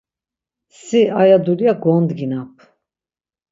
Si aya dulya gondginap.